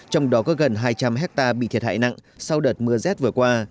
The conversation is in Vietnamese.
trong đó có gần hai trăm linh hectare bị thiệt hại nặng sau đợt mưa rét vừa qua